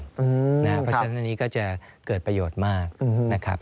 เพราะฉะนั้นอันนี้ก็จะเกิดประโยชน์มากนะครับ